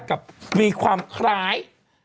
กับมีความคล้าย